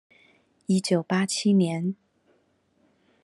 一九八七年